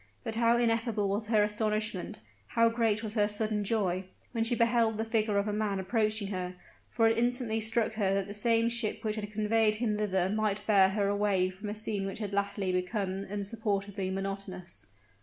But how ineffable was her astonishment how great was her sudden joy, when she beheld the figure of a man approaching her; for it instantly struck her that the same ship which had conveyed him thither might bear her away from a scene which had latterly become insupportably monotonous.